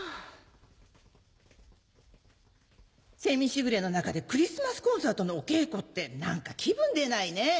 蝉時雨の中でクリスマスコンサートのお稽古って何か気分出ないね。